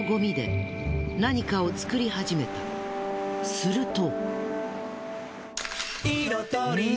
すると。